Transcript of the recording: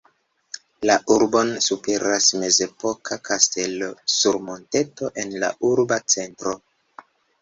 La urbon superas mezepoka kastelo sur monteto en la urba centro.